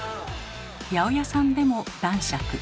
八百屋さんでも「男爵」。